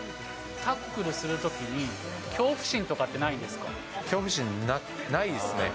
タックルするときに、恐怖心恐怖心、ないですね。